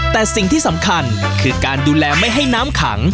แต่สิ่งที่สำคัญคือการดูแลไม่ให้น้ำขัง